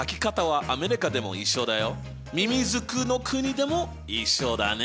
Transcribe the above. みみずくの国でも一緒だね。